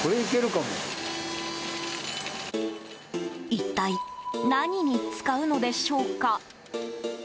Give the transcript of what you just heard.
一体、何に使うのでしょうか？